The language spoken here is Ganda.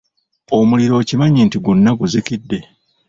Omuliro okimanyi nti gwonna guzikidde?